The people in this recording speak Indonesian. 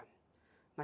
nah kenapa tidak